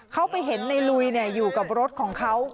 เขาไปเห็นในลุยอยู่กับรถของเขา